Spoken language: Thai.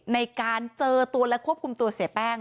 ในการเจอตัวและควบคุมตัวเสียแป้ง